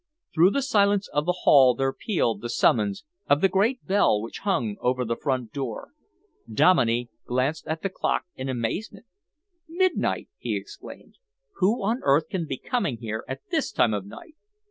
Through the silence of the hall there pealed the summons of the great bell which hung over the front door. Dominey glanced at the clock in amazement. "Midnight!" he exclaimed. "Who on earth can be coming here at this time of night!"